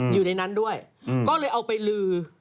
อยู่ในนั้นด้วยก็เลยเอาไปลือ